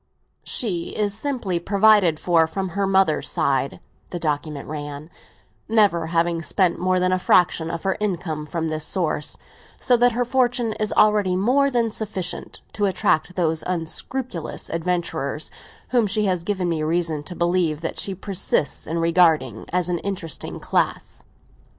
"She is amply provided for from her mother's side," the document ran, "never having spent more than a fraction of her income from this source; so that her fortune is already more than sufficient to attract those unscrupulous adventurers whom she has given me reason to believe that she persists in regarding as an interesting class."